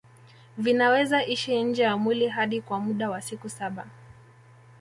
Vinaweza ishi nje ya mwili hadi kwa muda wa siku saba